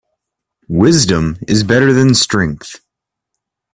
Wisdom is better than strength.